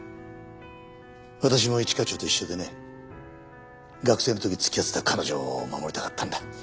私も一課長と一緒でね学生の時付き合ってた彼女を守りたかったんだ。